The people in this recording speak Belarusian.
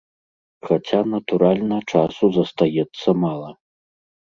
Хаця, натуральна, часу застаецца мала.